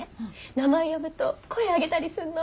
名前呼ぶと声上げたりするの。